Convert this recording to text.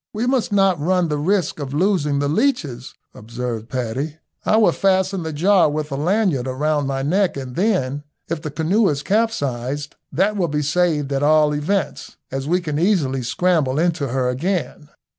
"We must not run the risk of losing the leeches," observed Paddy. "I will fasten the jar with a lanyard round my neck, and then, if the canoe is capsized, that will be saved at all events, as we can easily scramble into her again."